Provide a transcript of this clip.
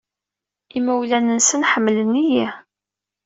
Imawlan-nsen ḥemmlen-iyi.